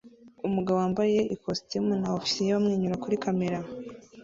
Umugabo wambaye ikositimu na ofisiye bamwenyura kuri kamera